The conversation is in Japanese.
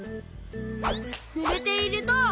ぬれていると。